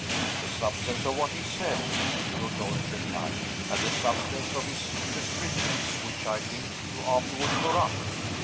"The substance of what he said," Lord Loring replied, "and the substance of his prescriptions which, I think, you afterward tore up?"